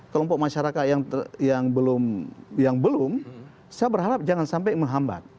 kelompok masyarakat yang belum saya berharap jangan sampai menghambat